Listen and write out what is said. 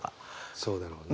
そうだろうね。